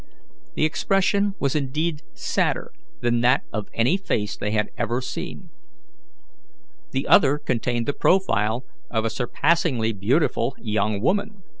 The expression was indeed sadder than that of any face they had ever seen. The other contained the profile of a surpassingly beautiful young woman.